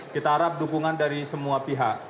kita harap dukungan dari semua pihak